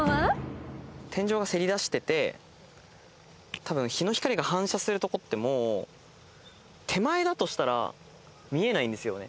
天井がせり出しててたぶん日の光が反射するとこって手前だとしたら見えないんですよ。